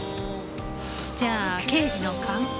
じゃあ刑事の勘？